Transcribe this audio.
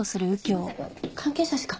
関係者しか。